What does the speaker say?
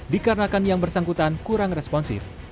dikarenakan yang bersangkutan kurang responsif